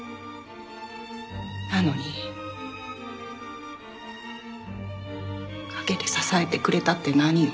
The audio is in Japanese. なのに影で支えてくれたって何よ。